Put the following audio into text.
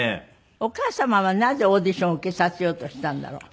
お母様はなぜオーディションを受けさせようとしたんだろう？